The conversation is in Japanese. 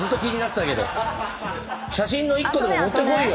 写真の１個でも持ってこいよ。